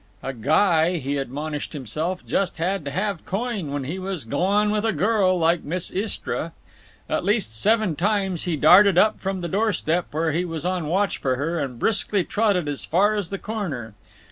A guy, he admonished himself, just had to have coin when he was goin' with a girl like Miss Istra. At least seven times he darted up from the door step, where he was on watch for her, and briskly trotted as far as the corner.